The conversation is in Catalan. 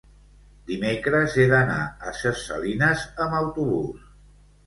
Dimecres he d'anar a Ses Salines amb autobús.